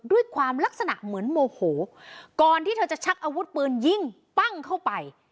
ลักษณะเหมือนโมโหก่อนที่เธอจะชักอาวุธปืนยิงปั้งเข้าไป